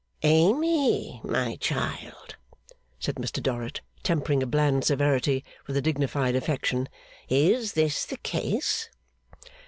'Amy, my child,' said Mr Dorrit, tempering a bland severity with a dignified affection, 'is this the case?